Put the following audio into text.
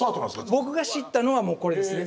僕が知ったのはもうこれですね。